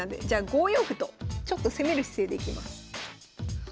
じゃあ５四歩とちょっと攻める姿勢でいきます。